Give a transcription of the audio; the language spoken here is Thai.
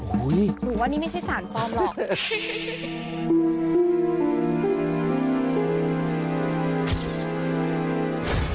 หนูว่านี่ไม่ใช่สารปลอมหรอก